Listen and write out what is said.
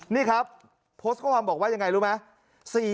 นี่ครับโพสต์ข้อความบอกว่ายังไงรู้ไหม